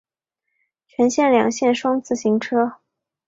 全线两线双向行车。